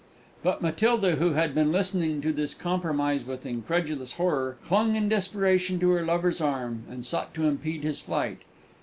But Matilda, who had been listening to this compromise with incredulous horror, clung in desperation to her lover's arm, and sought to impede his flight.